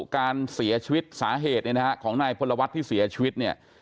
การเสียชีวิตสาเหตุของนายพลวัฒน์ที่เสียชีวิต